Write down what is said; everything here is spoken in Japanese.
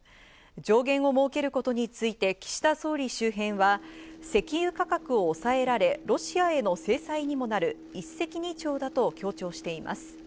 上限を設けることについて岸田総理周辺は石油価格を抑えられ、ロシアへの制裁にもなる、一石二鳥だと強調しています。